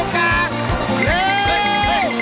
มาเร็วลุง